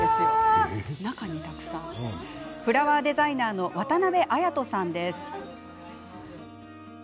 フラワーデザイナーの渡辺礼人さんです。